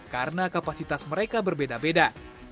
karena kapasitas mereka berbeda beda